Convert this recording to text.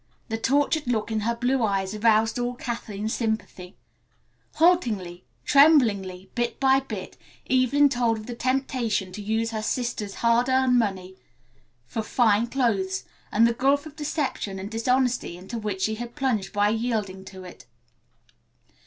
The tortured look in her blue eyes aroused all Kathleen's sympathy. Haltingly, tremblingly, bit by bit, Evelyn told of the temptation to use her sister's hard earned money for fine clothes, and the gulf of deception and dishonesty into which she had plunged by yielding to it.